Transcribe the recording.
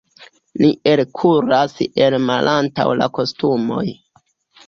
Ni elkuras el malantaŭ la kostumoj.